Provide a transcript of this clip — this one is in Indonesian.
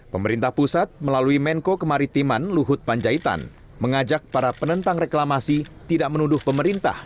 pemerintah pusat melalui menko kemaritiman luhut panjaitan mengajak para penentang reklamasi tidak menuduh pemerintah